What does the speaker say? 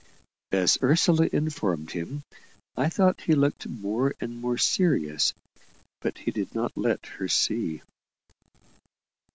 As Ursula informed him, I thought he looked more and more serious; but he did not let her see.